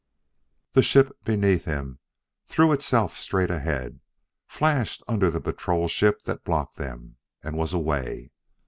The ship beneath him threw itself straight ahead, flashed under the patrol ship that blocked them, and was away.